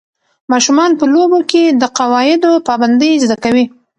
ماشومان په لوبو کې د قواعدو پابندۍ زده کوي.